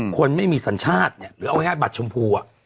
คนไม่มีสัญชาติเนี่ยหรือเอาง่ายบัตรชมพู